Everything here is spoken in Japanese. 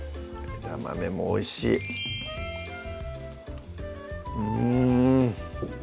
枝豆もおいしいうん